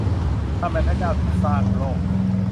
ทำไมพระเจ้าถึงสร้างโลก ?